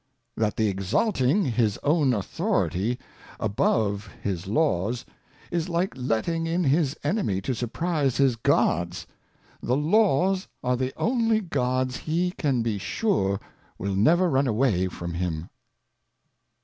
That the exalting his own Authority above his Laws, is like letting in his Enemy to surprize his Guards : The Laivs are the only Guards he can be sure will never run away from him, 3.